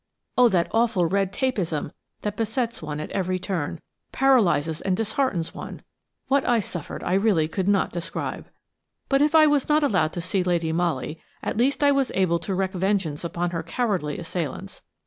Oh, that awful red tapeism that besets one at every turn, paralyses and disheartens one! What I suffered I really could not describe. But if I was not allowed to see Lady Molly, at least I was able to wreak vengeance upon her cowardly assailants.